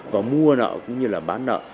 và mua nợ cũng như là bán nợ